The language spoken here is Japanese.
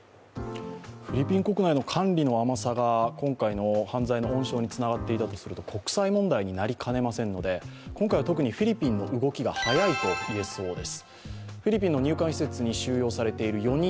フィリピン国内の管理の甘さが今回の犯罪の温床につながっていたとすると国際問題になりかねませんので今回は特にフィリピンの動きが早いといえそうです。